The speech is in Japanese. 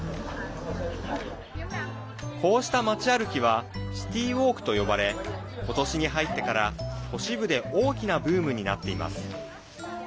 こうした街歩きはシティーウォークと呼ばれ今年に入ってから都市部で大きなブームになっています。